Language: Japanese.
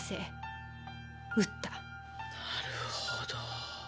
なるほど。